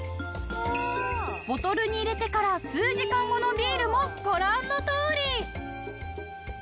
ボトルに入れてから数時間後のビールもご覧のとおり！